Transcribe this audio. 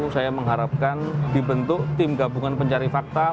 saya mengharapkan dibentuk tim gabungan pencari fakta